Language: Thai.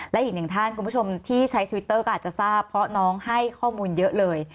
และอีกหนึ่งท่านคุณผู้ชมที่ใช้ทวิตเตอร์ก็อาจจะทราบเพราะน้องให้ข้อมูลเยอะเลย